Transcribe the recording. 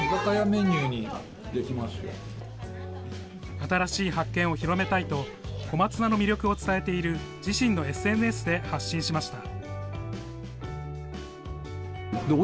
新しい発見を広めたいと小松菜の魅力を伝えている自身のＳＮＳで発信しました。